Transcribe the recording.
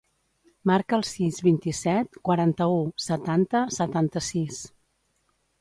Marca el sis, vint-i-set, quaranta-u, setanta, setanta-sis.